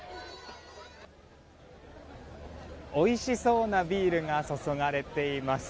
おいしそうなビールが注がれています。